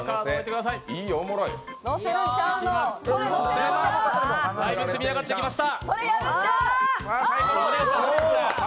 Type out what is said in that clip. だいぶ積み上がってきました。